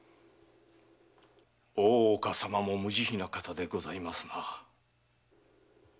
大岡様も無慈悲な方でございますな。